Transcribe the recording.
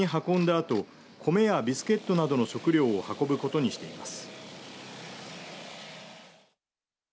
あと米やビスケットなどの食料を運ぶことにしています。